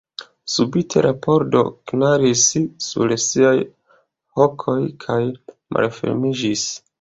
Subite la pordo knaris sur siaj hokoj kaj malfermiĝis.